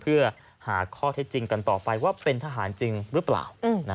เพื่อหาข้อเท็จจริงกันต่อไปว่าเป็นทหารจริงหรือเปล่า